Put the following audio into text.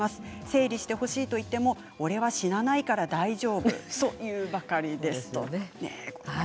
整理してほしいと言っても俺は死なないから大丈夫と言うばかりです。